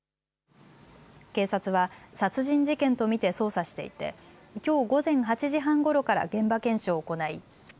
警察は殺人事件と見て捜査していてきょう午前８時半ごろから現場検証を行い